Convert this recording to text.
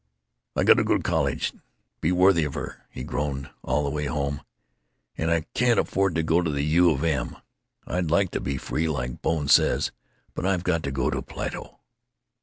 "I got to go to college—be worthy of her!" he groaned, all the way home. "And I can't afford to go to the U. of M. I'd like to be free, like Bone says, but I've got to go to Plato."